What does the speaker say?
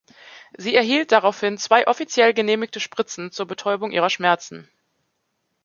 Sie erhielt daraufhin zwei offiziell genehmigte Spritzen zur Betäubung ihrer Schmerzen.